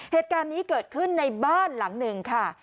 เหตุการณ์นี้เกิดขึ้นในบ้านหลังหนึ่งค่ะ